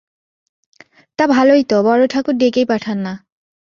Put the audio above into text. তা ভালোই তো, বড়োঠাকুর ডেকেই পাঠান-না।